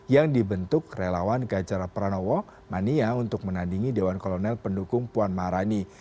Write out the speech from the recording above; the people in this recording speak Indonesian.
yang dibentuk relawan gajar pranowo mania untuk menandingi dewan kolonel pendukung puan maharani